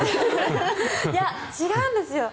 いや、違うんですよ。